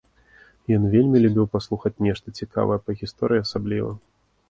Ён вельмі любіў паслухаць нешта цікавае, па гісторыі асабліва.